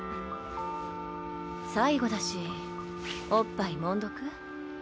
最後だしおっぱいもんどく？